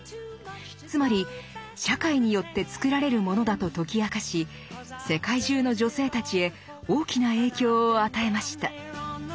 つまり社会によってつくられるものだと解き明かし世界中の女性たちへ大きな影響を与えました。